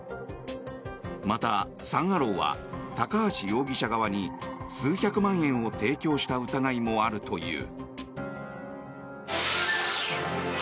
また、サン・アローは高橋容疑者側に数百万円を提供した疑いもあるという。